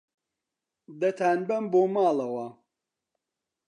دەتانبەم بۆ ماڵەوە.